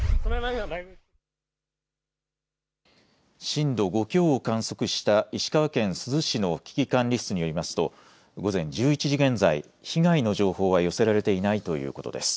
震度５強を観測した石川県珠洲市の危機管理室によりますと、午前１１時現在、被害の情報は寄せられていないということです。